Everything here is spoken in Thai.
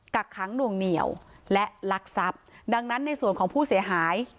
กักขังหน่วงเหนียวและลักทรัพย์ดังนั้นในส่วนของผู้เสียหาย